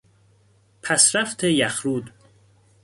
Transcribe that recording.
پسرفت یخرود